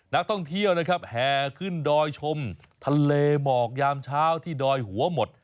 นักท่องเที่ยวนะครับแห่ขึ้นดอยชมทะเลหมอกยามเช้าที่ดอยหัวหมด